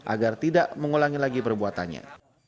agar tidak mengulangi lagi perbuatannya